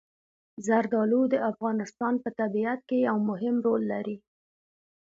زردالو د افغانستان په طبیعت کې یو مهم رول لري.